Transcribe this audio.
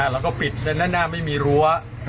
แล้วก็ปิดด้านหน้าไม่มีรั้ว